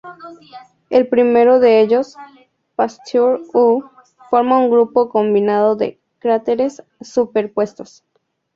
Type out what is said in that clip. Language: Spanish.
El primero de ellos, "Pasteur U", forma un grupo combinado de cráteres superpuestos.